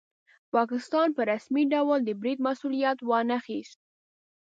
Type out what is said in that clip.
پاکستان په رسمي ډول د برید مسوولیت وانه خیست.